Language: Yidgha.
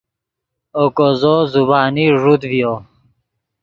اوکو زو زبانی ݱوت ڤیو